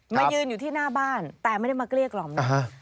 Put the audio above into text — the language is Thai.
ยืนอยู่ที่หน้าบ้านแต่ไม่ได้มาเกลี้ยกล่อมนะ